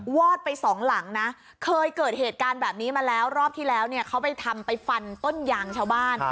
อดไปสองหลังนะเคยเกิดเหตุการณ์แบบนี้มาแล้วรอบที่แล้วเนี่ยเขาไปทำไปฟันต้นยางชาวบ้าน